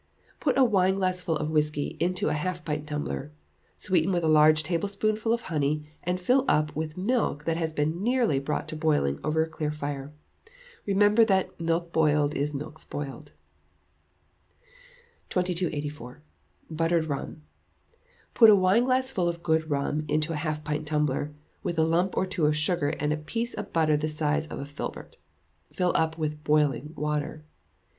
Put a wineglassful of whisky into a half pint tumbler; sweeten with a large teaspoonful of honey, and fill up with milk that has been nearly brought to boiling over a clear fire. Remember that "milk boiled is milk spoiled." 2284. Buttered Rum. Put a wineglassful of good rum into a half pint tumbler, with a lump or two of sugar and a piece of butter the size of a filbert. Fill up with boiling water.